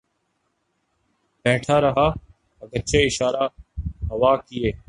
بیٹھا رہا اگرچہ اشارے ہوا کیے